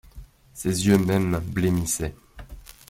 Ses yeux mêmes blêmissaient.